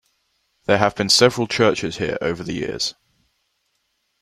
There have been several churches here over the years.